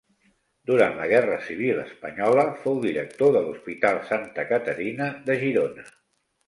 Durant la guerra civil espanyola fou director de l'Hospital Santa Caterina de Girona.